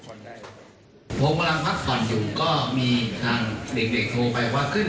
เพราะว่าเขายังมีสิทธิ์ใช้ในการประเภทอีกหลายครั้ง